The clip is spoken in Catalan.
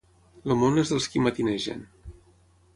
El món és dels qui matinegen.